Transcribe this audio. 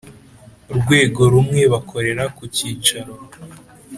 Rwego rumwe bakorera ku cyicaro